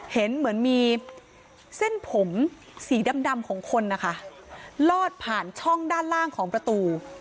เห็นเหมือนมีเส้นผมสีดำของคนนะคะลอดผ่านช่องด้านล่างของประตู